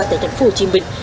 tại thành phố hồ chí minh